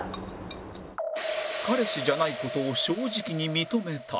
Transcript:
彼氏じゃない事を正直に認めたり